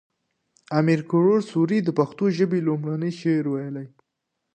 امیر کروړ سوري د پښتو ژبې لومړنی شعر ويلی